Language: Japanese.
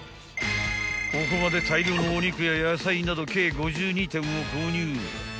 ［ここまで大量のお肉や野菜など計５２点を購入］